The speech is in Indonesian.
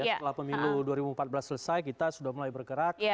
setelah pemilu dua ribu empat belas selesai kita sudah mulai bergerak